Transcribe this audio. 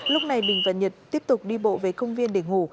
lúc này bình và nhật tiếp tục đi bộ về công viên để ngủ